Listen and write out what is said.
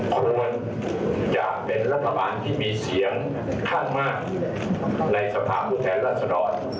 ควรจะเป็นรัฐบาลที่มีเสียงข้างมากในสภาพผู้แทนรัศดร